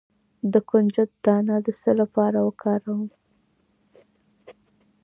د کنجد دانه د څه لپاره وکاروم؟